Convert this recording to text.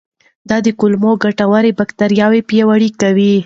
دا د کولمو ګټورې باکتریاوې پیاوړې کوي.